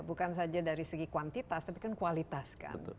bukan saja dari segi kuantitas tapi kan kualitas kan